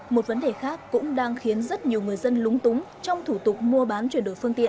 một vấn đề khác cũng đang khiến rất nhiều người dân lúng túng trong thủ tục mua bán chuyển đổi phương tiện